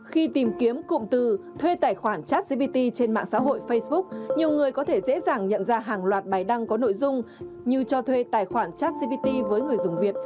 khi tìm kiếm cụm từ thuê tài khoản chat gpt trên mạng xã hội facebook nhiều người có thể dễ dàng nhận ra hàng loạt bài đăng có nội dung như cho thuê tài khoản chat gpt với người dùng việt